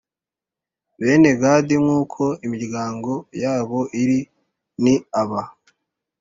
Bene Gadi nk uko imiryango yabo iri ni aba